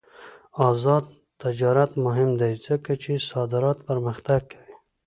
آزاد تجارت مهم دی ځکه چې صادرات پرمختګ کوي.